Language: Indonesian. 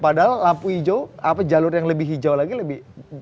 padahal lampu hijau apa jalur yang lebih hijau lagi lebih